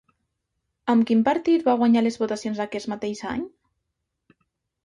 Amb quin partit va guanyar les votacions aquest mateix any?